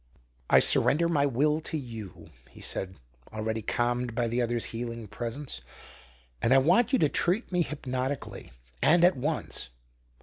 "I surrender my will to you," he said, already calmed by the other's healing presence, "and I want you to treat me hypnotically and at once.